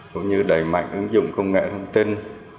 cũng như đầy mạnh ứng dụng công nghệ thông tin